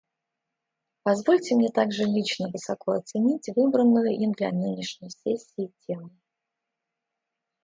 Позвольте мне также лично высоко оценить выбранную им для нынешней сессии тему.